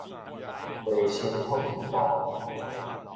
衛生福利部